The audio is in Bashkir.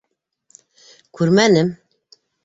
Күрмәнем.